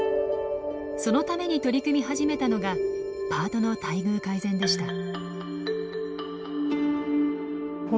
そのために取り組み始めたのがパートの待遇改善でした。